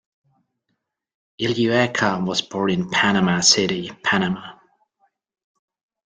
Illueca was born in Panama City, Panama.